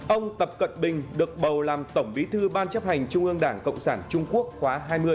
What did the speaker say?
ông tập cận bình được bầu làm tổng bí thư ban chấp hành trung ương đảng cộng sản trung quốc khóa hai mươi